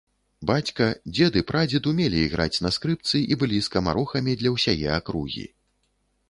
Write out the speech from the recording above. Бацька, дзед і прадзед умелі іграць на скрыпцы і былі скамарохамі для ўсяе акругі.